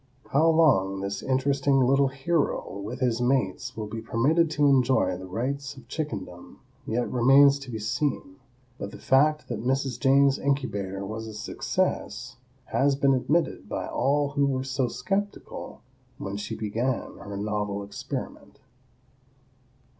How long this interesting little hero, with his mates, will be permitted to enjoy the rights of chickendom yet remains to be seen, but the fact that "Mrs. Jane's incubator was a success" has been admitted by all who were so skeptical when she began her novel experiment.